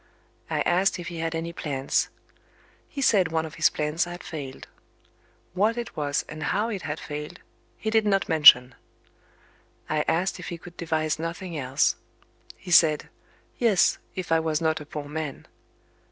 I asked if he had any plans. He said one of his plans had failed. What it was, and how it had failed, he did not mention. I asked if he could devise nothing else. He said, "Yes, if I was not a poor man."